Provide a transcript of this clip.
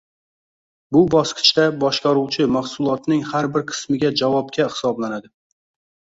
Bu bosqichda boshqaruvchi mahsulotning har bir qismiga javobga hisoblanadi